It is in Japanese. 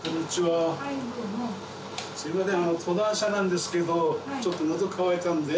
あっすいません。